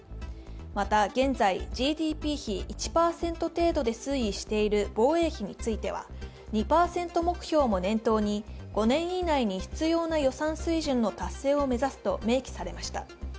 また、現在、ＧＤＰ比１％程度で推移している防衛費については２％目標も念頭に５年以内に必要な予算水準の達成を目指すと明記されました。